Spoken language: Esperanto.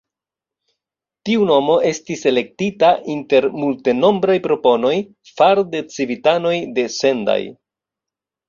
Tiu nomo estis elektita inter multenombraj proponoj far'de civitanoj de Sendai.